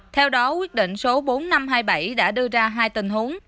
theo đó quyết định số bốn nghìn năm trăm hai mươi bảy đã đưa ra hai tình huống